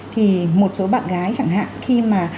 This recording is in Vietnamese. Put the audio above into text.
thì một số bạn gái chẳng hạn khi mà